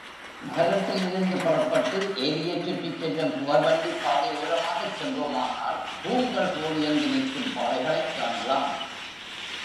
நகரத்திலிருந்து புறப்பட்டு, ஏரியைச் சுற்றிச் செல்லும் புகைவண்டிப் பாதையோரமாகச் சென்றோமானால், தூண்கள் போல் உயர்ந்து நிற்கும் பாறைகளைக் காணலாம்.